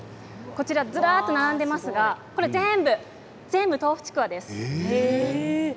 ずらっと並んでいますが全部とうふちくわです。